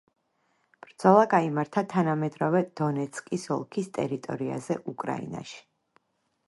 ბრძოლა გაიმართა თანამედროვე დონეცკის ოლქის ტერიტორიაზე უკრაინაში.